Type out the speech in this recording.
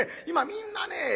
今みんなね